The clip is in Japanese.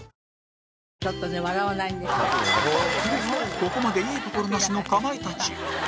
ここまでいいところなしのかまいたち